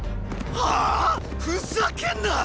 はァ⁉ふざけんな！